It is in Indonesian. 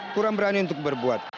kurang berani untuk berbuat